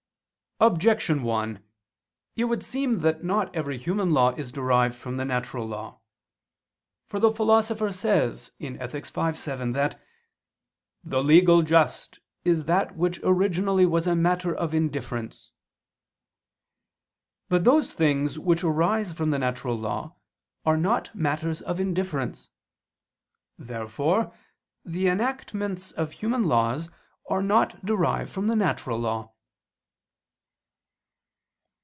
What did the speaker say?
Objection 1: It would seem that not every human law is derived from the natural law. For the Philosopher says (Ethic. v, 7) that "the legal just is that which originally was a matter of indifference." But those things which arise from the natural law are not matters of indifference. Therefore the enactments of human laws are not derived from the natural law.